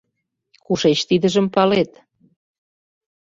Кушеч тидыжым палет?